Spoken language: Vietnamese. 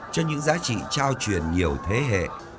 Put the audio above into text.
cho những giá trị trao truyền nhiều thế hệ